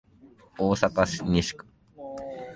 大阪市西区